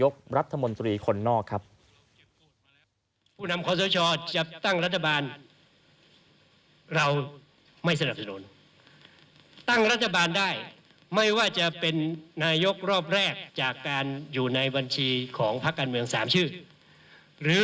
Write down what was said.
ก็จะเป็นนายยกรอบแรกจากการอยู่ในบัญชีของภัตรภัยการเมืองสามชื่อ